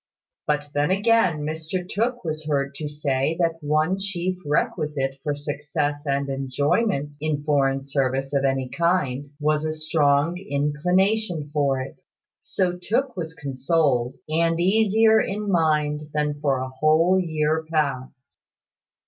But then again, Mr Tooke was heard to say that one chief requisite for success and enjoyment in foreign service of any kind was a strong inclination for it. So Tooke was consoled, and easier in mind than for a whole year past.